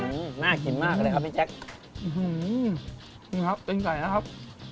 อืมน่ากินมากเลยครับพี่แจ็คอืมนี่ครับเป็นไก่นะครับ